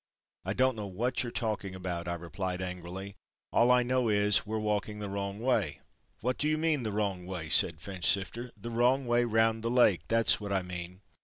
"I don't know what you're talking about"—I replied angrily. "All I know is we're walking the wrong way." "What do you mean the wrong way?" said Finchsifter. "The wrong way round the Lake that's what I mean!"